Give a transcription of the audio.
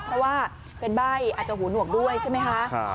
เพราะว่าเป็นใบ้อาจจะหูหนวกด้วยใช่ไหมคะ